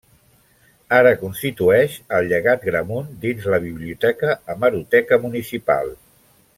Ara constitueix el Llegat Gramunt dins la Biblioteca Hemeroteca Municipal.